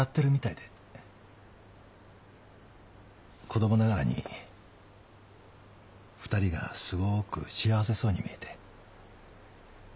子供ながらに２人がすごく幸せそうに見えて。